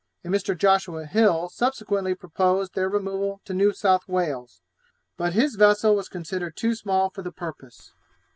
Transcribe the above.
A Mr. Joshua Hill subsequently proposed their removal to New South Wales, but his vessel was considered too small for the purpose.